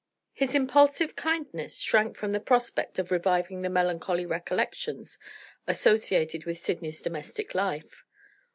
His impulsive kindness shrank from the prospect of reviving the melancholy recollections associated with Sydney's domestic life.